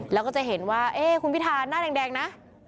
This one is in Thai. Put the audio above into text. แล้วก็จะเห็นว่าคุณพิธาหน้าแดงนะ